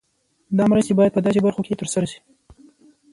دا مرستې باید په داسې برخو کې تر سره شي.